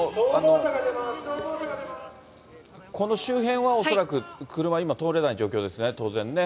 恐らく、この周辺は恐らく、車今、通れない状況ですね、当然ね。